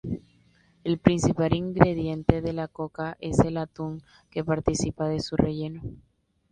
El principal ingrediente de la coca es el atún que participa de su relleno.